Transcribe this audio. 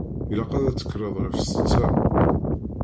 Ilaq ad d-tekkreḍ ɣef setta.